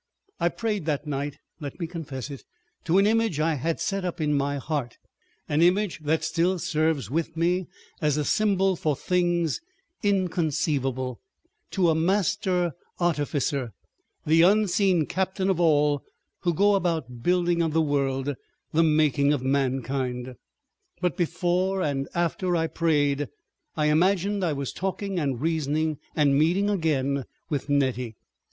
I prayed that night, let me confess it, to an image I had set up in my heart, an image that still serves with me as a symbol for things inconceivable, to a Master Artificer, the unseen captain of all who go about the building of the world, the making of mankind. But before and after I prayed I imagined I was talking and reasoning and meeting again with Nettie.